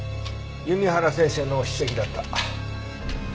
弓原先生の筆跡だった。